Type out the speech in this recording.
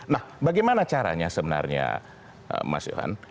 nah bagaimana caranya sebenarnya mas yohan